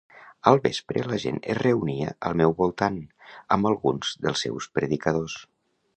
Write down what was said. Al vespre la gent es reunia al meu voltant, amb alguns dels seus predicadors.